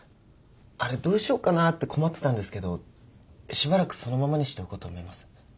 あれどうしようかなって困ってたんですけどしばらくそのままにしておこうと思います。